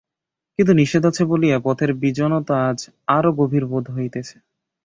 কিন্তু নিষেধ আছে বলিয়া পথের বিজনতা আজ আরও গভীর বোধ হইতেছে।